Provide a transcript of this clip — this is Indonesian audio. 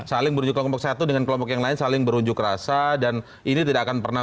saling berunjuk kelompok satu dengan kelompok yang lain saling berunjuk rasa dan ini tidak akan pernah